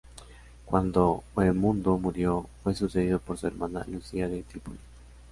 Cuando Bohemundo murió, fue sucedido por su hermana Lucía de Trípoli.